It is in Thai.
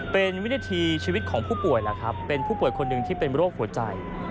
เป็นวินาทีชีวิตของผู้ป่วยแหละครับเป็นผู้ป่วยคนหนึ่งที่เป็นโรคหัวใจ